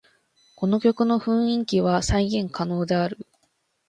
この曲の雰囲気は再現可能である